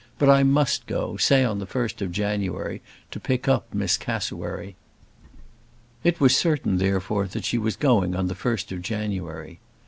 But I must go, say on the first of January, to pick up Miss Cassewary." It was certain, therefore, that she was going on the first of January.